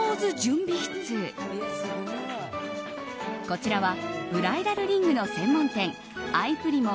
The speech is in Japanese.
こちらはブライダルリングの専門店アイプリモ